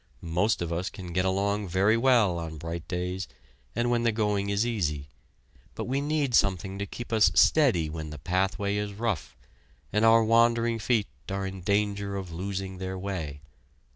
Most of us can get along very well on bright days, and when the going is easy, but we need something to keep us steady when the pathway is rough, and our wandering feet are in danger of losing their way.